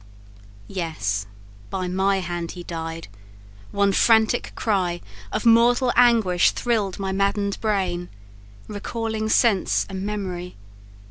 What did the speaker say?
"Yes by my hand he died! one frantic cry Of mortal anguish thrill'd my madden'd brain, Recalling sense and mem'ry.